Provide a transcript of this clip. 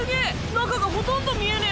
中がほとんど見えねぇ。